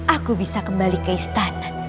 aku bisa kembali ke istana